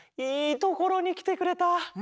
いいところにきてくれた。